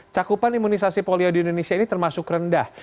cakupan imunisasi polio di indonesia ini termasuk rendah